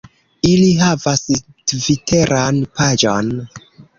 Ili havas tviteran paĝon